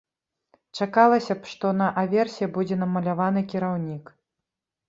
Чакалася б, што на аверсе будзе намаляваны кіраўнік.